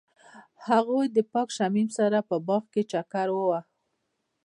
هغوی د پاک شمیم سره په باغ کې چکر وواهه.